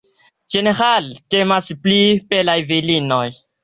Ĝenerale temas pri belaj virinoj.